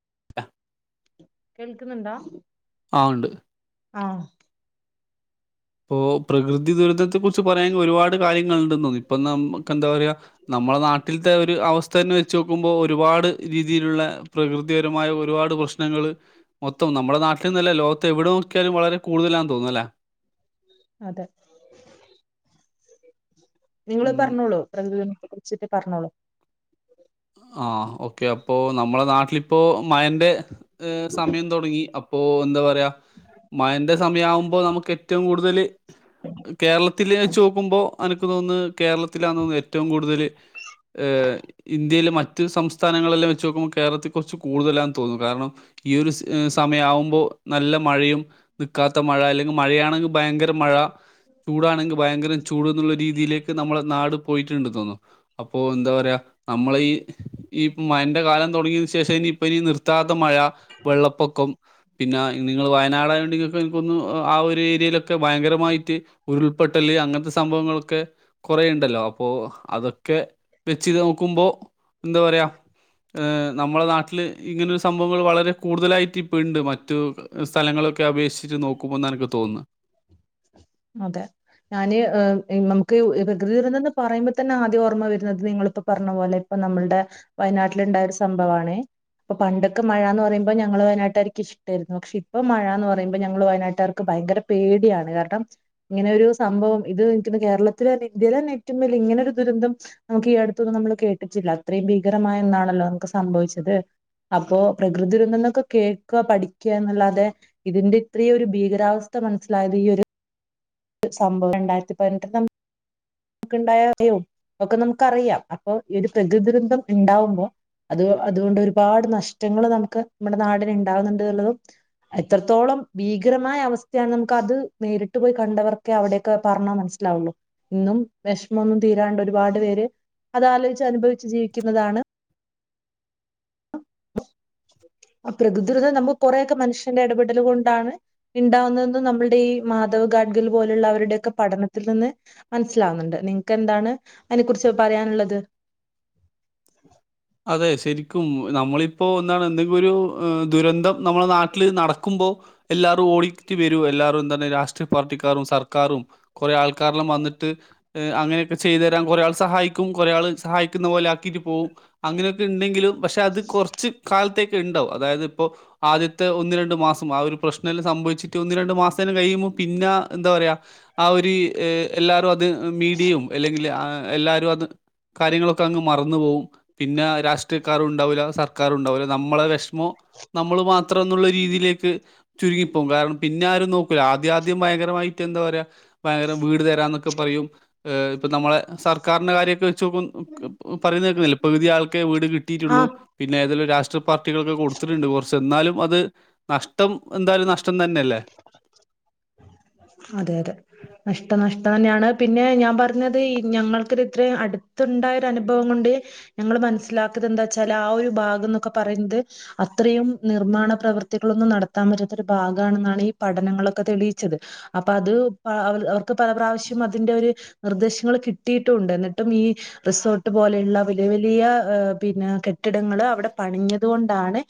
[unintelligible] കേൾക്കുന്നുണ്ടോ ആഹ് ഉണ്ട് ആഹ് ഇപ്പൊ പ്രകൃതി ദുരന്തത്തെ കുറിച്ച് പറയാൻ ഒരുപാട് കാര്യങ്ങളൾ ഉണ്ട് തോന്നുന്നു ഇപ്പൊ നമുക്ക് എന്താ പറയാ നമ്മളെ നാട്ടിലത്തെ ഒരു അവസ്ഥ തന്നെ വെച്ച് നോക്കുമ്പോ ഒരുപാട് രീതിയിലുള്ള പ്രകൃതിപരമായ ഒരുപാട് പ്രശ്നങ്ങൾ മൊത്തം നമ്മുടെ നട്ടിൽന്നല്ല ലോകത്ത് എവിടെ നോക്കിയാലും വളരെ കൂടുതലാണ് തോന്നുന്നല്ലേ അതെ നിങ്ങള് പറഞ്ഞോളൂ പ്രകൃതിദുരന്തത്തെ കുറിച്ചിട്ട് പറഞ്ഞോളൂ ആഹ് ഓക്കെ അപ്പൊ നമ്മളെ നാട്ടിലിപ്പോ മഴന്റെ സമയം തുടങ്ങി അ- -പ്പൊ എന്താ പറയാ മഴന്റെ സമയമാവുമ്പോ നമുക്ക് ഏറ്റവും കൂടുതല് കേരളത്തില് വെച്ച് നോക്കുമ്പോ അനക്ക് തോന്നുന്നത് കേരളത്തിലാന്ന് തോന്നുന്നു ഏറ്റവും കൂടുതൽ ഇന്ത്യയിലെ മറ്റു സംസ്ഥാനങ്ങളെല്ലാം വെച്ച് നോക്കുമ്പോൾ കേരളത്തിൽ കുറച്ച് കൂടുതലാന്ന് തോന്നുന്നു കാരണം ഈ ഒരു സമയാവുമ്പോ നല്ല മഴയും നിൽക്കാത്ത മഴ അല്ലെങ്കിൽ മഴയാണെങ്കിൽ ഭയങ്കര മഴ ചൂടാണെങ്കിൽ ഭയങ്കരം ചൂട് എന്നുള്ള രീതിയിലേക്ക് നമ്മളെ നാട് പോയിട്ടുണ്ട് തോന്നുന്നു അപ്പോ എന്താ പറയാ നമ്മളെ ഈ ഈ മഴന്റെ കാലം തുടങ്ങിയ ശേഷം ഇനി ഇപ്പം ഇനി നിർത്താത്ത മഴ വെള്ളപ്പൊക്കം പിന്നെ നിങ്ങൾ വയനാടായോണ്ട് നിങ്ങൾക്ക് എനിക്കൊന്ന് ആ ഒരു ഏരിയയിലൊക്കെ ഭയങ്കരമായിട്ട് ഉരുൾപൊട്ടല് അങ്ങനത്തെ സംഭവങ്ങളൊക്കെ കുറേണ്ടല്ലോ അപ്പോ അതൊക്കെ വെച്ച് നോക്കുമ്പോ എന്താ പറയാ ഏഹ് നമ്മളുടെ നാട്ടിൽ ഇങ്ങനെരു സംഭവങ്ങൾ വളരെ കൂടുതലായിട്ട് ഇപ്പൾ ഉണ്ട് മറ്റു സ്ഥലങ്ങളൊക്കെ അപേക്ഷിച്ചിട്ട് നോക്കി ക്കുമ്പം ന്നാ എനിക്ക് തോന്നുന്നു അതെ ഞാന് നമുക്ക് പ്രകൃതി ദുരന്തംന്ന് പറയുമ്പോ തന്നെ ആദ്യം ഓർമ്മ വരുന്നത് നിങ്ങളിപ്പ പറഞ്ഞ പോലെ അപ്പൊ നമ്മൾടെ വയനാട്ടില് ഇണ്ടായൊരു സംഭവാണേ ഇപ്പ പൊണ്ടൊക്കെ മഴയന്ന് പറയുമ്പോ ഞങ്ങള് വയനാട്ടാക്ക് ഇഷ്ടമായിരുന്നു പക്ഷെ ഇപ്പം മഴയന്ന് പറയുമ്പോ ഞങ്ങൾ വയനാട്ടാർക്ക് ഭയങ്കര പേടിയാണ് കാരണം ഇങ്ങനൊരു സംഭവം ഇത് എനിക്ക് തോന്നു കേരളത്തിലന്നെ ഇന്ത്യലന്നെ ഏറ്റവും വലിയ ഇങ്ങനൊരു ദുരന്തം നമുക്ക് ഈ അടുത്തൊന്നും നമ്മള് കേട്ടിട്ടില്ല അത്രയും ഭീകരമായ എന്നാണല്ലോ നമുക്ക് സംഭവിച്ചത് അപ്പൊ പ്രകൃതി ദുരന്തങ്ങളൊക്കെ കേക്കുക പഠിക്ക എന്നല്ലാതെ ഇതിന്റെ ഇത്രയും ഒരു ഭീകരാവസ്ഥ മനസ്സിലായത് ഈ ഒരു സംഭവം രണ്ടായിരത്തി പതിനെട്ടിൽ നമ ക്ക്ണ്ടായ [unintelligible] ഒക്കെ നമുക്കറിയാം അപ്പൊ ഈ ഒരു പ്രകൃതി ദുരന്തം ഇണ്ടാവുമ്പോ അത് അതുകൊണ്ട് ഒരുപാട് നഷ്ടങ്ങള് നമുക്ക് നമ്മുടെ നാടിന് ഇണ്ടാകുന്നുണ്ട് എന്നുള്ളതും എത്രത്തോളം ഭീകരമായ അവസ്ഥയാണ് നമുക്കത് നേരിട്ട് പോയി കണ്ടവർക്കെ അവിടെ ക്കെ പറഞ്ഞാൽ മനസ്സിലാവുള്ളൂ ഇന്നും വെഷമൊന്നും തീരാണ്ട് ഒരുപാട് പേര് അത് ആലോചിച്ച് അനുഭവിച്ച് ജീവിക്കുന്നതാണ് ആ പ്രകൃതി ദുരന്തം നമ്മ കുറേയൊക്കെ മനുഷ്യന്റെ ഇടപെടലു കൊണ്ടാണ് ഇണ്ടാവുന്നതും നമ്മുടെ ഈ മാധവ് ഗാഡ്ഗൽ പോലുള്ള അവരുടെയൊക്കെ പഠനത്തിൽ നിന്ന് മനസ്സിലാവുന്നുണ്ട് നിങ്ങക്ക് എന്താണ് അതിനെ കുറിച്ച് പറയാനുള്ളത് അതെ ശരിക്കും നമ്മളിപ്പോ എന്താണ് എന്തെങ്കിലും ഒരു ദുരന്തം നമ്മളെ നാട്ടില് നടക്കുമ്പോ എല്ലാരും ഓടി വരൂ എല്ലാവാരും തന്നെ രാഷ്ട്രീയ പാർട്ടിക്കാരും സർക്കാരും കുറെ ആൾക്കാരില്ലാം വന്നിട്ട് അങ്ങനൊക്കെ ചെയ്തു തരാൻ കുറെ ആൾക്കാർ സഹായിക്കും കൊറെ ആള് സഹായിക്കുന്ന പോലെ ക്കിട്ട് പോകും അങ്ങനെയൊക്കെ ഇണ്ടെങ്കിലും പക്ഷെ അത് കുറച്ച് കാലത്തേക്ക് ഇണ്ടാവും അതായത് ഇപ്പോ ആദ്യത്തെ ഒന്ന് രണ്ടു മാസം ആ ഒരു പ്രശ്നൽ സംഭവിച്ചിട്ട് ഒന്ന് രണ്ടു മാസേന് കഴിയുമ്പോൾ പിന്നെ എന്താ പറയാ ആ ഒരു എല്ലാവരും അത് മീഡിയയും അല്ലെങ്കിൽ എല്ലാവരും അത് കാര്യങ്ങളൊക്കെ അങ്ങ് മറന്നു പോകും പിന്നെ രാഷ്ട്രീയക്കാർ ഉണ്ടാവില്ല സർ ക്കാറുണ്ടാവില്ല നമ്മളെ വിഷമം നമ്മൾ മാത്രം എന്നുള്ള രീതിയിലേക്ക് ചുരുങ്ങിപ്പോം കാരണം പിന്നെ ആരും നോക്കൂല ആദ്യം ആദ്യം ഭയങ്കരമായിട്ട് എന്താ പറയാ ഭയങ്കര വീട് തരാന്നൊക്കെ പറയും ഇപ്പൊ നമ്മളെ സർക്കാരിന്റെ കാര്യൊക്കെ [unintelligible] പറയുന്ന കേക്കുന്നില്ല പകുതി ആൾക്കെ വീട് ആ കിട്ടിയിട്ടുള്ളൂ പിന്നെ ഏതേലും രാഷ് ട്രിയ പാർട്ടികൾക്കൊക്കെ കൊടുത്തിട്ടുണ്ട് കുറച്ച് എന്നാലും അത് നഷ്ടം എന്തായാലും നഷ്ടം തന്നെയല്ലേ അതെ അതെ നഷ്ടം നഷ്ടം തന്നെയാണ് പിന്നെ ഞാൻ പറഞ്ഞത് ഈ ഞങ്ങൾക്കിത് ഇത്രയും അടുത്തുണ്ടായ ഒരു അനുഭവം കൊണ്ട് ഞങ്ങള് മനസ്സിലാക്കുന്നത് എന്താ വച്ചാല് ആ ഒരു ഭാഗം എന്നൊക്കെ പറയുന്നത് അത്രയും നിർമ്മാണ പ്രവർത്തികളൊന്നും നടത്താൻ പറ്റാത്തൊരു ഭാഗാണെന്നാണ് ഈ പഠനങ്ങളൊക്കെ തെളിയിച്ചത് അപ്പൊ അത് അവർക്ക് പലപ്രാവശ്യം അതിൻ്റെ ഒരു നിർദ്ദേശങ്ങൾ കിട്ടിയിട്ടുണ്ട് എന്നിട്ടും ഈ റിസോർട്ട് പോലെയുള്ള വലിയ വലിയ പിന്നെ കെട്ടിടങ്ങള് അവിടെ പണിഞ്ഞത് കൊണ്ടാണ്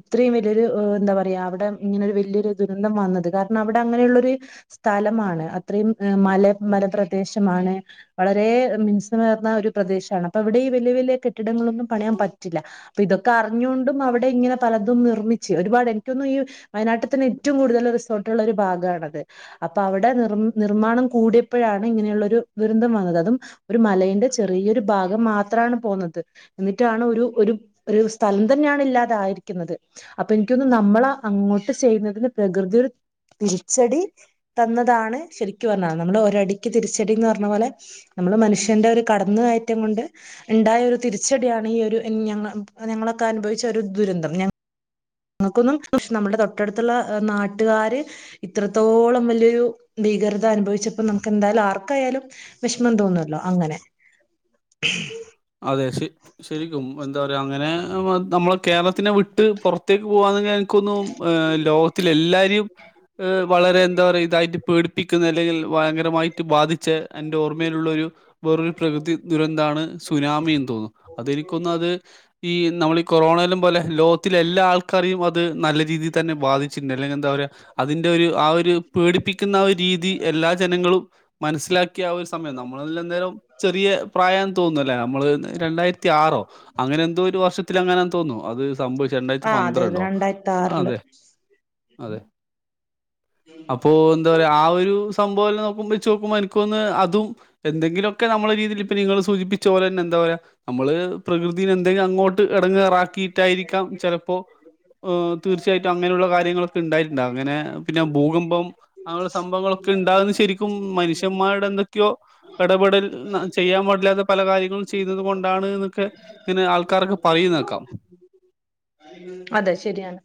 ഇത്രയും വലിയൊരു എന്താ പറയാ അവിടെ ഇങ്ങനെ ഒരു വലിയൊരു ദുരന്തം വന്നത് കാരണം അവിടെ അങ്ങനെയുള്ളൊരു സ്ഥലമാണ് അത്രയും മല മല പ്രദേശമാണ് വളരെ മിൻസമേർന്ന ഒരു പ്രദേശമാണ് അപ്പൊ ഇവിടെ ഈ വലിയ വലിയ കെട്ടിടങ്ങളൊന്നും പണിയാൻ പറ്റില്ല അപ്പൊ ഇതൊക്കെ അറിഞ്ഞൊണ്ടും അവിടെ ഇങ്ങനെ പലതും നിർമ്മിച്ച് ഒരുപാട് എനിക്കൊന്നും ഈ വയനാട്ടത്തിന് ഏറ്റവും കൂടുതൽ റിസോർട്ടുള്ള ഒരു ഭാഗാണത് അപ്പൊ അവിടെ നിർ നിർമ്മാണം കൂടിയപ്പോഴാണ് ഇങ്ങനെയുള്ള ഒരു ദുരന്തം വന്നത് അതും ഒരു മലയിന്റെ ചെറിയൊരു ഭാഗം മാത്രാണ് പോന്നത്. എന്നിട്ടാണ് ഒരു ഒരു ഒരു സ്ഥലം തന്നെയാണ് ഇല്ലാതായിരിക്കുന്നത്. അപ്പൊ എനിക്ക് തോന്നുന്നു നമ്മള് അങ്ങോട്ട് ചെയ്യുന്നതിന് പ്രകൃതി ഒരു തിരിച്ചടി. തന്നതാണ് ശരിക്കു പറഞ്ഞാ. നമ്മള് ഒരടിക്ക് തിരിച്ചടീന്ന് പറഞ്ഞ പോലെ. നമ്മള് മനുഷ്യന്റെ ഒരു കടന്നുകയറ്റം കൊണ്ട്. ഇണ്ടായ ഒരു തിരിച്ചടിയാണ് ഈ ഒരു എൻ ഞങ്ങ ഞങ്ങളൊക്കെ അനുഭവിച്ച ഒരു ദുരന്തം. ങ്ങക്കൊന്നും പ്രശ്, നമ്മുടെ തൊട്ടടുത്തുള്ള നാട്ടുകാര്. ഇത്രത്തോളം വല്ല്യൊരു ഭീകരത അനുഭവിച്ചപ്പോ നമുക്ക് എന്തായാലും ആർക്കായാലും. വിഷമം തോന്നല്ലോ, അങ്ങനെ. അതെ. ശെ ശെരിക്കും. എന്താ പറയാ, അങ്ങനെ നമ്മളെ കേരളത്തിനെ വിട്ട് പൊറത്തേക്ക് പോവാന്നന്നേണ് ക്കൊന്നും ലോകത്തിലെ എല്ലാരിം. ഏ വളരെ എന്താ പറയ ഇതായിട്ട് പേടിപ്പിക്കുന്ന അല്ലെങ്കിൽ ഭയങ്കരമായിട്ട് ബാധിച്ച എൻ്റെ ഓർമ്മയിലുള്ളൊരു. വേറൊരു പ്രകൃതി ദുരന്താണ്. സുനാമിന്ന് തോന്നു അതെനിക്കോന്ന അത് ഈ നമ്മള് ഈ കൊറോണേലും പോലെ, ലോകത്തിലെ എല്ലാ ആൾക്കാരെയും അ ത് നല്ല രീതിയിൽ തന്നെ ബാധിച്ചിണ്ട്. അല്ലെങ്കിൽ എന്താ പറയ, അതിന്റെ ഒരു ആ ഒരു പേടിപ്പിക്കുന്ന ആ ഒരു രീതി എല്ലാ ജനങ്ങളും. മനസ്സിലാക്കിയ ആ ഒരു സമയം, നമ്മളതിൽ എന്തേലും ചെറിയ പ്രായം തോന്ന നമ്മള് രണ്ടായിരത്തി ആറോ അങ്ങനെ എന്തോ ഒരു വർഷത്തിലെങ്ങാനാ തോന്നോ അത് സംഭവിച്ചത്. രണ്ടായിരത്തി പന്ത്ര അതായത് രണ്ടായിരത്താറില്. അതെ. അപ്പോ. എന്താ പറയാ, ആ ഒരു സംഭവം എല്ലാം നോക്കുമ്പോച്ചോക്കുമ്പോ എനിക്ക്‌ തോന്നാ അതും. എന്തെങ്കിലൊക്കെ നമ്മളെ രീതിയില് ഇപ്പൊ നിങ്ങള് സൂചിപ്പിച്ച പോലെന്നെ എന്താ പറയാ. നമ്മള് പ്രകൃതിനെ എന്തെങ്കിലും അങ്ങോട്ട് എടങ്ങറാക്കിയിട്ടായിരിക്കാം ചെലപ്പോ. ഊ തീർച്ചയായിട്ടും അങ്ങനെയുള്ള കാര്യങ്ങളൊക്കെ ഇണ്ടായിട്ടുണ്ട്. അങ്ങനെ പിന്നെ ഭൂകമ്പം, അങ്ങനുള്ള സംഭവങ്ങളൊക്കെ ഉണ്ടാകുന്നത് ശരി ക്കും മനുഷ്യന്മാരുടെ എന്തൊക്കെയോ ഇടപെടൽ, ചെയ്യാൻ പാടില്ലാത്ത- പല കാര്യങ്ങളും ചെയ്തത് കൊണ്ടാണ് എന്നൊക്കെ ഇങ്ങന്നെ ആൾക്കാരൊക്കെ പറയുന്നേക്കാം. അതെ, ശെരിയാണ്.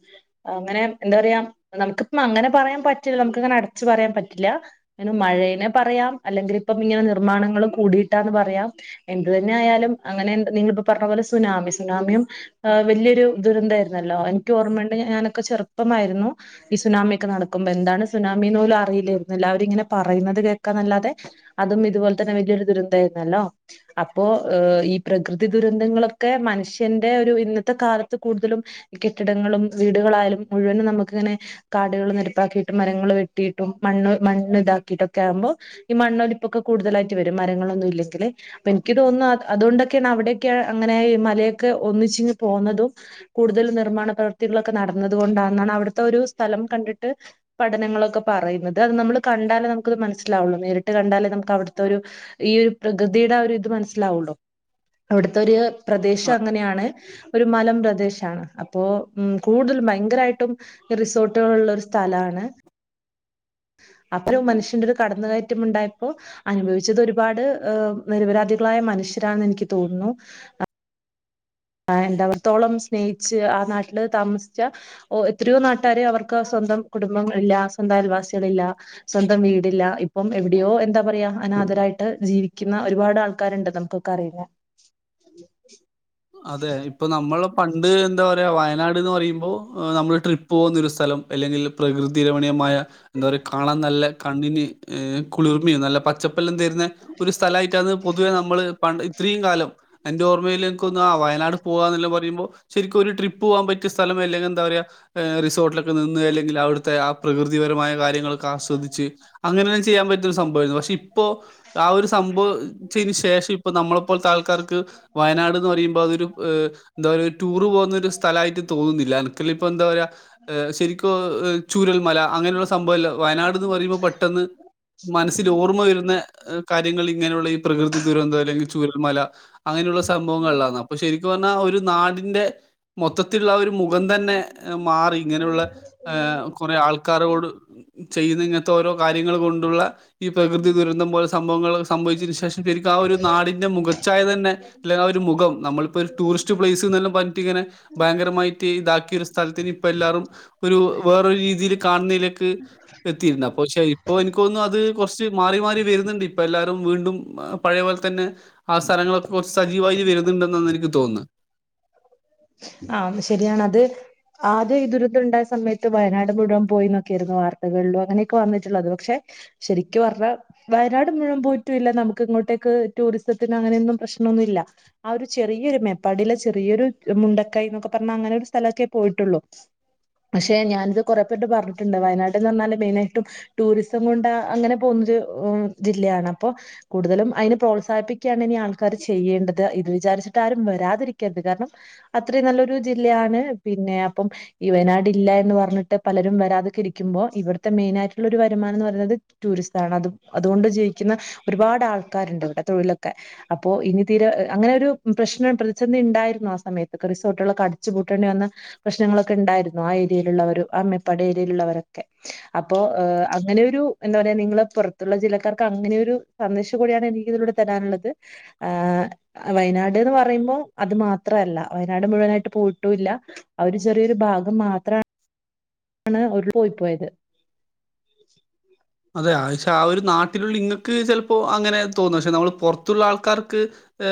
അങ്ങനെ എന്താ പറയാ നമുക്കിപ്പം അങ്ങനെ പറയാൻ പറ്റില്ല. നമുക്കങ്ങനെ അടച്ചു പറയാൻ പറ്റില്ല. ഇങ്ങനെ മഴേനെ പറയാം, അല്ലെങ്കിൽ ഇപ്പം ഇങ്ങനെ നിർമ്മാണങ്ങള് കൂടീട്ടാന്ന് പറയാം. എന്ത് തന്നെ ആയാലും അങ്ങനെ നിങ്ങളിപ്പോ പറഞ്ഞ പോലെ സുനാമി. സുനാമിയും വല്ല്യൊരു ദുരന്താരു ന്നല്ലോ? എനിക്ക് ഓർമ്മണ്ട്, ഞാനൊക്കെ ചെറുപ്പമായിരുന്നു. ഈ സുനാമിയൊക്കെ നടക്കുമ്പോ. എന്താണ് സുനാമീന്ന് പോലും അറിയില്ലായിരുന്നല്ലോ. അവരിങ്ങനെ പറയുന്നത് കേക്കാന്നല്ലാതെ. അതും ഇതുപോലെ തന്നെ വലിയൊരു ദുരന്തായിരുന്നല്ലോ? അപ്പോ ഏ ഈ പ്രകൃതി ദുരന്തങ്ങളൊക്കെ മനുഷ്യന്റെ ഒരു ഇന്നത്തെ കാലത്ത് കൂടുതലും. കെട്ടിടങ്ങളും വീടുകളായാലും മുഴുവനും നമുക്കിങ്ങനെ. കാടുകൾ നിരപ്പാക്കിയിട്ടും, മരങ്ങള് വെട്ടിയിട്ടും, മണ്ണ് മണ്ണ് ഇതാക്കിട്ടൊക്കെ ആകുമ്പോ. ഈ മണ്ണൊലിപ്പൊക്കെ കൂടുതലായിട്ട് വരും, മരങ്ങളൊന്നും ഇല്ലങ്കില്. അപ്പൊ ഇൻക്ക് തോന്നുന്ന്‌ അതുകൊണ്ടൊക്കെണ് അവിടൊയൊക്കെ അങ്ങനെ ആയി മലയൊക്കെ ഒന്നിച്ചിങ്ങ് പോന്നതും. കൂടുതൽ നിർമ്മാണ പ്രവൃത്തികളൊക്കെ നടന്നത് കൊണ്ടാണെന്നാണ് അവിടുത്തൊരു സ്ഥലം കണ്ടിട്ട്. പഠനങ്ങളൊക്കെ പറയുന്നത്. അത് നമ്മള് കണ്ടാലേ നമുക്കത് മനസ്സിലാവുള്ളൂ. നേരിട്ട് കണ്ടാലേ നമുക്ക് അവിടുത്തെ ഒരു. ഈ ഒരു പ്രകൃതിയുടെ ആ ഒരു ഇത് മനസ്സിലാവുള്ളൂ. അവിടുത്തൊരു പ്രദേശം അങ്ങനെയാണ്. ഒരു മലം പ്രദേശാണ്. അ അപ്പോ ഉം. കൂടുതൽ ഭയങ്കരായിട്ടും റിസോർട്ടുകൾ ഉള്ളൊരു സ്ഥലാണ്. അപ്പൊരു മനുഷ്യന്റെ ഒരു കടന്നുകയറ്റം ഉണ്ടായപ്പോ. അനുഭവിച്ചത് ഒരുപാട് ഏ നിരപരാധികളായ മനുഷ്യരാന്ന് എനിക്ക് തോന്നുന്നു. ആ എന്തവ്ട്ത്തോളം സ്നേഹിച്ച് ആ നാട്ടില് താമസിച്ച - ഒ എത്രയോ നാട്ടാര് അവർക്ക് സ്വന്തം കുടുംബങ്ങളില്ല സ്വന്തം അയൽവാസികളില്ല സ്വന്തം വീടില്ല ഇപ്പം എവിടെയോ എന്താ പറയാ അനാഥരായിട്ട് ജീവിക്കുന്ന ഒരുപാട് ആൾക്കാരുണ്ട് നമുക്ക് ക്കറില്ല അതെ ഇപ്പൊ നമ്മള് പണ്ട് എന്താ പറയാ വയനാട് ന്ന് പറയുമ്പോ നമ്മള് ട്രി പോന്നൊരു സ്ഥലം അല്ലെങ്കിൽ പ്രകൃതി രമണീയമായ എന്താ പറയ കാണാൻ നല്ല കണ്ണിന് കുളിർമിം നല്ല പച്ച പ്പെ തെര്ന്നെ ഒരു സ്ഥലായ്ട്ടത് പൊതുവെ നമ്മള് പണ്ട് ഇത്രീം കാലം എന്റെ ഓർമേല് ക്കുന്ന വയനാട് പോവാന്നെല്ലം പറയുമ്പൊ ശെരിക്കും ഒരു ട്രിപ്പ് പോവാൻ പറ്റിയ സ്ഥലം അല്ലെങ്കി എന്താ പറയാ റിസോട്ടിലൊക്കെ നിന്ന് അല്ലെങ്കിൽ അവിട്ത്തെ ആ പ്രകൃതിപരമായ കാര്യങ്ങളൊക്കെ ആസ്വദിച്ച് അങ്ങനെന്നെ ചെയ്യാൻ പറ്റിയൊരു സംഭവായിരുന്നു പക്ഷെ ഇപ് പ്പൊ ആ ഒരു സംഭവച്ചിന് ശേഷം ഇപ്പൊ നമ്മളെപ്പോൽത്തെ ആൾക്കാർക്ക് വയനാട് തൊരു എന്താ പറയാ ഒരു ടൂറ് പോകുന്ന ഒരു സ്ഥലായിട്ട് തോന്ന് ന്നില്ല അൻക്കില്ലെപ്പൊ എന്താ പറയാ ശെരിക്കും ചുരൽമല അങ്ങനെയുള്ള സംഭവല്ല വയനാട്ന്ന് പറയുമ്പോ പെട്ടെന്ന് മനസ്സിൽ ഓർമ്മ വെരുന്നെ കാര്യങ്ങൾ ഇങ്ങനെയുള്ള ഈ പ്രകൃതി ദുരന്തം അല്ലെങ്കിൽ ചുരൽമല അങ്ങനെയുള്ള സം ഭവങ്ങളിലാന്ന് അപ്പൊ ശെരിക്കു പറഞ്ഞ ഒരു നാടിന്റെ മൊത്തത്തിലുള്ള ആ ഒരു മുഖം തെന്നെ മാറി ഇങ്ങനെയുള്ള എ കുറെ ആൾക്കാരോട് ചെയ്യുന്ന ഇങ്ങൻത്തെ ഓരോ കാര്യങ്ങൾ കൊണ്ടുള്ള ഈ പ്രകൃതി ദുരന്തം പോലെ സംഭവങ്ങൾ സംഭവിച്ചതിനു ശേഷം ശെരിക്കും ആ ഒരു നാടിന്റെ മുഖച്ചായ തെന്നെ ല്ലെ ആ ഒരു മുഖം നമ്മളിപ്പോ ഒരു ടൂറിസ്റ്റ് പ്ലേയ്സ് ന്നെല്ലം പർഞ്ട്ട്ങ്ങനെ ഭയങ്കരമായിട്ട് ഇതാക്കിയ ഒരു സ്ഥലത്തിന് ഇപ്പ എല്ലാരും ഒരു വേറൊരു രീതില് കാണുന്നതിലേക്ക് എത്തിയിരുന്നപ്പൊ പക്ഷേ ഇപ്പോ എനിക്ക്തോന്നുന്നു അത് കൊർച്ച് മാറി മാറി വെര്ന്ന്ണ്ട്പ്പം എല്ലാരും വീണ്ടും പഴയ പോലെ തെന്നെ ആ സ്ഥലങ്ങളൊക്കെ കൊർച്ച് സജീവായി വെര്ന്നുണ്ടെന്നെന്ന് എനിക്ക് തോന്ന് ആഹ് ഒന്ന് ശെരിയാണത് ആദ്യം ഈ ദുരന്തണ്ടായ സമയത്ത് വയനാട് മുഴുവൻ പോയി നോക്കിയിരുന്നു വാർത്തകളിലും അങ്ങനൊക്കെ വന്നിട്ടുള്ളത് പക്ഷെ ശെരിക്ക് പർഞ്ഞ വയനാട് മുഴുവൻ പോയിട്ടുല്ല നമുക്ക് ഇങ്ങോട്ടേക്ക് ടൂറിസത്തിന് അങ്ങനെയൊന്നും പ്രശ്നൊന്നുല്ല ആ ഒരു ചെറിയൊരു മേപ്പാടിലെ ചെറിയൊരു മുണ്ടക്കൈ ന്നൊക്കെ പർഞ്ഞ അങ്ങനെ ഒരു സ്ഥലൊക്കെ പോയിട്ടുള്ളു പക്ഷെ ഞാനിത് കൊറെ പേരോട് പർഞ്ട്ട്ണ്ട് വയനാട്ന്ന് പർഞ്ഞാല് മെയിനായിട്ടും ടൂറിസം കൊണ്ട് അങ്ങനെ പോകുന്നൊരു ജില്ലയാണ് അപ്പം കൂടുതലും അതിനെ പ്രോത്സാഹിപ്പിക്യാണ് ഇനി ആൾക്കാര് ചെയ്യേണ്ടത് ഇത് വിചാരിച്ചിട്ടാരും വെരാതിരിക്കരുത് കാരണം അത്രീം നല്ലൊരു ജില്ലയാണ് പിന്നെ അപ്പം ഈ വയനാട് ഇല്ല എന്ന് പർഞ്ട്ട് പലരും വെരാതെക്കെരിക്കുമ്പോ ഇവ്ട്ത്തെ മെയിനായിട്ടുള്ള ഒരു വരുമാനംന്ന് പറയുന്നത് ടൂറിസാണ് അതും അതോണ്ട് ജീവിക്കുന്ന ഒരുപാട് ആൾക്കാരുണ്ട് ഇവടെ തൊഴിലൊക്കെ അപ്പോ ഇനി തീരെ അങ്ങനൊരു പ്രശ്നം പ്രതിസന്ധി ണ്ടായിരുന്നോ ആ സ സമയത്തൊക്കെ റിസോട്ടുകളൊക്കെ അടച്ചുപൂട്ടേണ്ടി വെന്ന പ്രശ്നങ്ങളൊക്കെണ്ടായിരുന്നു ആ ഏരിയയില് ള്ളവര് ആ മേപ്പാടി ഏരിയയിലുള്ളവരൊക്കെ അപ്പൊ അങ്ങനെയൊരു എന്താ പറയാ നിങ്ങള് പൊർത്തുള്ള ജില്ലക്കാർക്ക് അങ്ങനെയൊരു സന്ദേശം കൂടിയാണ് എനിക്ക് ഇതിലൂടെ തെരാനുള്ളത് എ വയനാട് ന്ന് പറയുമ്പോ അത് മാ ത്രല്ല വയനാട് മുഴുവനായിട്ട് പോയിട്ടുല്ല ആ ഒരു ചെറിയൊരു ഭാഗം മാത്രാണ് ണ് ഉരുൾ പോയി പോയത് അതെ അഹ് ക്ഷെ ആഹ് ഒരു നാട്ടിലുള്ള നിങ്ങൾക്ക് ചിലപ്പോ അങ്ങനെ തോന്നും പക്ഷെ നമ്മള് പുറത്തുള്ള ആൾക്കാർക്ക്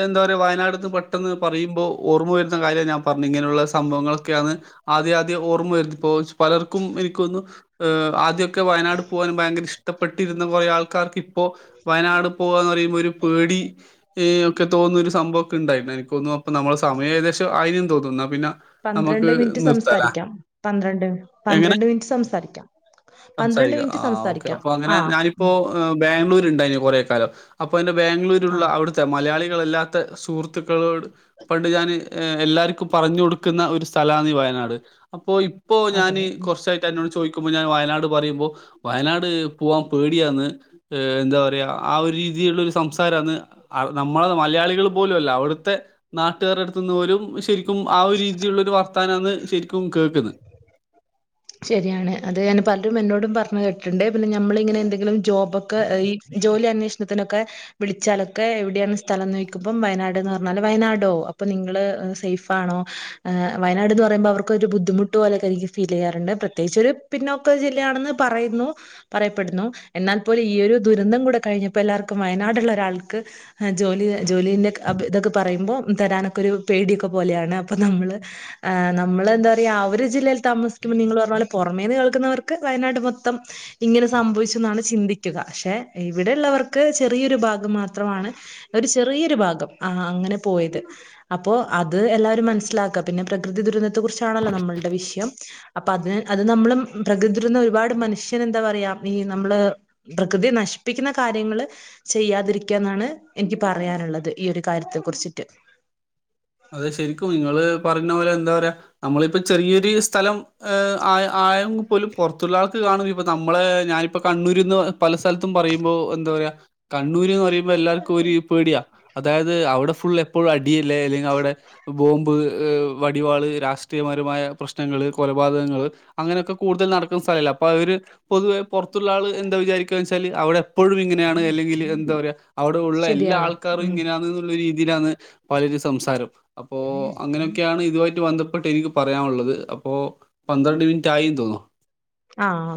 എന്താ പറയ വയനാട് ന്ന് പെട്ടെന്ന് പറയ്മ്പോ ഓർമ്മ വരുന്ന കാര്യം ഞാൻ പറഞ്ഞ ഇങ്ങനെയുള്ള സംഭവങ്ങളൊക്കെയാണ്. ആദ്യ ആദ്യേ ഓർമ്മ വരുത്തി പ്പോ പലർക്കും എനിക്കൊന്ന് ഏഹ് ആദ്യമൊക്കെ വയനാട് പോകാൻ ഭയങ്കര ഇഷ് ഇഷ്ടപ്പെട്ടിരുന്ന കുറെ ആൾക്കാർക്ക് ഇപ്പോ വയനാട് പോക ന്ന് പറയുമ്പോൾ ഒരു പേടി. ഏഹ് ഒക്കെ തോന്നു രു സംഭവം ഒക്കെ ഉണ്ടായിരുന്നു. എനിക്ക്തോന്നുന്നു അപ്പൊ നമ്മള സമയം ഏകദേശം ആയിന്നു തോന്നുന്നു. പിന്നെ നമുക്ക് പന്ത്രണ്ട് മിനിറ്റ് നിർത്താലേ. സംസാരിക്കാം പന്ത്രണ്ട് പന്ത്രണ്ട് മിനിറ്റ് സംസാരിക്കാം. പന്ത്രണ്ട് സംസാരിക്ക. മിനിറ്റ് ആഹ് ഓക്കെ സംസാരിക്കാം അപ്പൊ അങ്ങനെ ആ ഞാനിപ്പോ ഏഹ് ബാംഗ്ലൂരു ഉണ്ടായിന് കുറെ കാലം. അപ്പൊ അതിന്റെ ആ ബാംഗ്ലൂരുള്ള അവിടു ത്തെ മലയാളികളല്ലാത്ത സുഹൃത്തുക്കളോട് പണ്ട് ഞാൻ ഏഹ് എല്ലാവർക്കും പറഞ്ഞു കൊടുക്കുന്ന ഒരു സ്ഥലാണീ വയനാട്. അപ്പോ ഇപ്പോ ഞാന് അതെ കുറച്ച എന്നോട് ചോദിക്കുമ്പോ ഞാൻ വയനാട് പറയുമ്പോ വയനാട് പോവാൻ പേടിയാന്ന്. ഏഹ് എന്താ പറയാ. ആഹ് ഒരു രീതിള്ള ഒരു സംസാരന്ന് നമ്മളെ മലയാളികളും വൂലല്ല. അവിടുത്തെ നാട്ടുകാർ എടുത്തുന്ന് പോലും ശരി ക്കും ആഹ് ഒരു രീതിലുള്ള ഒരു വർത്താനന്ന് ശരിക്കും കേൾക്കുന്നത്. ശരിയാണ്. അത് ഞാന് പലരും എന്നോടും പറഞ്ഞു കേട്ടിട്ടുണ്ട്. പിന്നെ നഞമ്മളിങ്ങനെ എന്തെങ്കിലും ജോബൊക്കെ ഈ ജോലി അന്വേഷണത്തിനൊക്കെ വിളിച്ചാലൊക്കെ എവിടെയാണ് സ്ഥലം നോദിക്കുമ്പം. വയനാട്ന്ന് പറഞ്ഞാല് വയനാടോ അപ്പൊ നിങ്ങള് സേഫ് ഫാണോ. വയനാട് എന്ന് പറയുമ്പോ അവർക്കൊ ഒരു ബുദ്ധിമുട്ട് പോലൊക്കെ എനിക്ക് ഫീൽ ചെയ്യാറുണ്ട്. പ്രത്യേകിച്ച് ഒരു പിന്നൊ ക്ക ജില്ലയാണെന്ന് പറയുന്നു. പറയപ്പെടുന്നു. എന്നാൽ പോലും ഈ ഒരു ദുരന്തം കൂടെ കഴിഞ്ഞപ്പോ എല്ലാർക്കും വയനാടുള്ള ഒരാൾക്ക് ജോലി ജോലിന്റെ ഇതൊക്കെ പറയുമ്പോം തരാനൊക്കെ ഒരു പേടിയൊക്കെ പോലെയാണ്. അപ്പൊ നമ്മള് ആഹ് നമ്മള് എന്താ പറയാ ആഹ് ഒരു ജില്ലയിൽ താമസിക്കുമ്പോൾ നിങ്ങൾ പറഞ്ഞ പോലെ പുറമേന്ന് കേൾക്കുന്നവർക്ക് വയനാട് മൊത്തം ഇങ്ങനെ സംഭവിച്ചു എന്നാണ് ചിന്തിക്കുക. ഏഹ് ഇവിടെയള്ളവർക്ക് ചെറിയൊരു ഭാഗം മാത്രമാണ്. ഒരു ചെറിയൊരു ഭാഗം ആഹ് അങ്ങനെ പോയത്. അപ്പോ അത് എല്ലാവരും മനസ്സിലാക്ക. പിന്നെ പ്രകൃതി ദുരന്തത്തെ കുറിച്ചാണല്ലോ നമ്മളുടെ വിഷയം. അപ്പൊ അതിന് അത് നമ്മളും പ്രകൃതി ദുരന്തം ഒരുപാട് മനുഷ്യൻ എന്താ പറയാ ഈ നമ്മള് പ്രകൃതിയെ നശിപ്പിക്കുന്ന കാര്യങ്ങള് ചെയ്യാതിരിക്ക എന്നാണ് എനിക്ക് പറയാനുള്ളത് ഈ ഒരു കാര്യത്തെ കുറിച്ചിട്ട്. അതെ ശരിക്കും നിങ്ങള് പറഞ്ഞ പോലെ എന്താ പറയാ നമ്മളിപ്പോ ചെറിയൊരു സ്ഥലം ഏഹ് ആയ ആയെങ്ക പോലും പുറത്തുള്ള ആൾക്ക് കാണും. ഇപ്പൊ നമ്മളെ ഞാനിപ്പോ കണ്ണൂരിന്ന് പല സ്ഥലത്തും പറയുമ്പോ എന്താ പറയാ കണ്ണൂര് ന്ന് പറയുമ്പോ എല്ലാവർക്കും ഒരു പേടിയാ. അതായത് അവിടെ ഫുൾ എപ്പോഴും അടിയല്ലേ. അല്ലെങ്ക ലവിടെ ബോംമ്പ്, ഹ് വടിവാള്, രാഷ്ട്രീയപരമായ പ്രശ്നങ്ങള്, കൊലപാതകങ്ങള് അങ്ങനെക്കെ കൂടുതൽ നടക്കുന്ന സ്ഥലല്ലേ. അപ്പൊ അവര് പൊതുവെ പുറത്തുള്ള ആള് എന്താ വിചാരിക്കുക വെച്ചാല് അവിടെ ഇപ്പോഴും ഇങ്ങനെയാണ്. അല്ലെങ്കി എന്താ പറയാ അവിടെ ഉള്ള എല്ലാ ശരിയാണ് ആൾക്കാരും ഉം ഇങ്ങനെയാണ് ള്ളരീ ലാണ് പലര് സംസാരം. അപ്പോ അങ്ങനെയൊക്കെയാണ് ഇതുമായിട്ട് ബന്ധപ്പെട്ട് എനിക്ക് പറയാനുള്ളത്. അപ്പോൾ പന്ത്രണ്ട് മിനിറ്റ് ആയി തോന്നു ന്നു. ആഹ്!